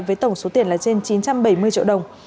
với tổng số tiền là trên chín trăm bảy mươi triệu đồng